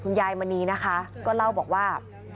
ยายมณีนะคะก็เล่าบอกว่า